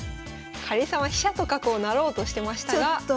かりんさんは飛車と角を成ろうとしてましたが。